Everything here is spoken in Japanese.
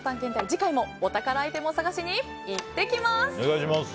次回もお宝アイテムを探しにいってきます！